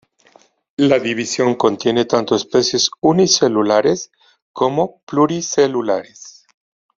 La división contiene tanto especies unicelulares como pluricelulares.